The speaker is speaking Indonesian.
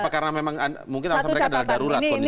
karena mungkin alasan mereka adalah darurat kondisinya